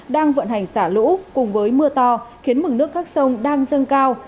đang vận hành xả lũ cùng với mưa to khiến mực nước các sông đang dâng cao